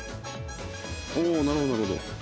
おおなるほどなるほど。